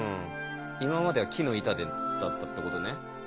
今までは木の板だったってことね。